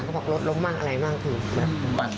เขาบอกลดล้มบ้างอะไรบ้างคือแบบ